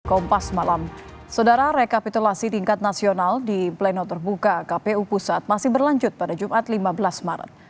kompas malam saudara rekapitulasi tingkat nasional di pleno terbuka kpu pusat masih berlanjut pada jumat lima belas maret